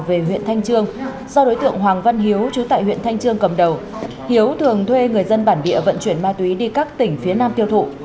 về huyện thanh trương do đối tượng hoàng văn hiếu chú tại huyện thanh trương cầm đầu hiếu thường thuê người dân bản địa vận chuyển ma túy đi các tỉnh phía nam tiêu thụ